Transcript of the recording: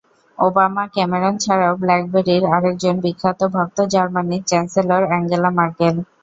Obama, Cameron ছাড়াও ব্ল্যাকবেরির আরেকজন বিখ্যাত ভক্ত জার্মানির চ্যান্সেলর আঙ্গেলা ম্যার্কেল।